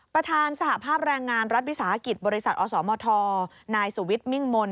ประธานสหภาพแรงงานรัฐวิทยาศาสตร์ฯบริษัทอสมธนายสุวิทธิ์มิ่งมล